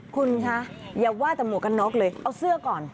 คุณคะอย่าว่าแต่หมวกกันน็อกเลยเอาเสื้อก่อน